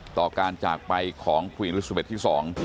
ต่อการจากไปของควีนรุสุเบสที่๒